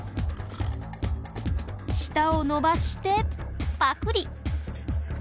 舌を伸ばしてパクリ！